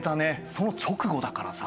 その直後だからさ。